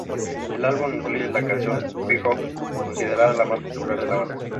El álbum incluye la canción "Big House", considerada la más popular de la banda.